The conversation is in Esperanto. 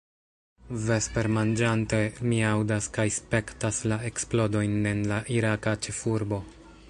Vespermanĝante, mi aŭdas kaj spektas la eksplodojn en la iraka ĉefurbo.